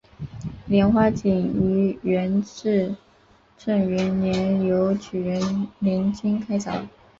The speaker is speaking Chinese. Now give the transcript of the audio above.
莲花井于元至正元年由举人林济开凿。